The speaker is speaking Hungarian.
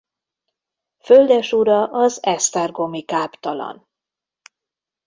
Földesura az esztergomi káptalan.